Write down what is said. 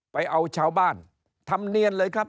ไปเอาชาวบ้านทำเนียนเลยครับ